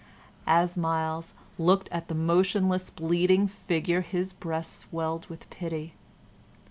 As Myles looked at the motionless, bleeding figure, his breast swelled with pity.